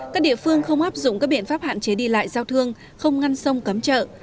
các địa phương không áp dụng các biện pháp hạn chế đi lại giao thương không ngăn sông cấm chợ